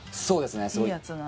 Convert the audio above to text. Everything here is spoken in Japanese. そうですね